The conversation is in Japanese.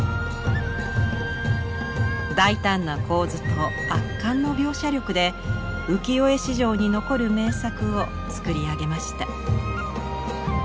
大胆な構図と圧巻の描写力で浮世絵史上に残る名作を作り上げました。